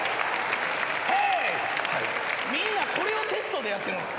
みんなこれをテストでやってるんすか？